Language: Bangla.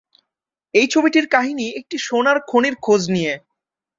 এই ছবিটির কাহিনী একটি সোনার খনির খোঁজ নিয়ে।